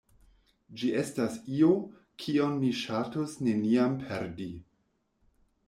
Ĝi estas io, kion mi ŝatus neniam perdi.